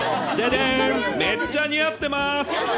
めっちゃ似合ってます。